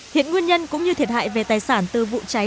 hiện nguyên nhân cũng như thiệt hại về tài sản từ vụ cháy